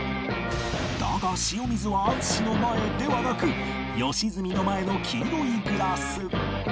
だが塩水は淳の前ではなく良純の前の黄色いグラス